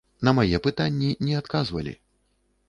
На мае пытанні не адказвалі.